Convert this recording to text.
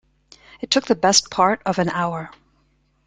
It took the best part of an hour.